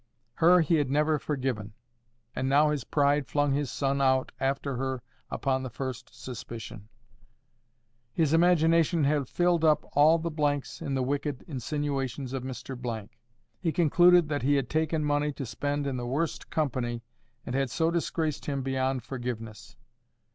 Her he had never forgiven, and now his pride flung his son out after her upon the first suspicion. His imagination had filled up all the blanks in the wicked insinuations of Mr— . He concluded that he had taken money to spend in the worst company, and had so disgraced him beyond forgiveness.